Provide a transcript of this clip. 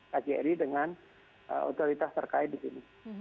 kjri dengan otoritas terkait di sini